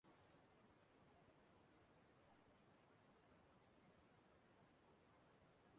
Hauwa bụzi onye nkuzi na onye nyocha na Mahadum Harvard.